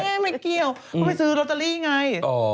ไม่เกี่ยวเขาไปซื้อลอตเตอรี่ไง